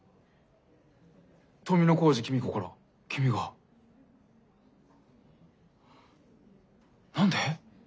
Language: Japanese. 富小路公子から君が？何で？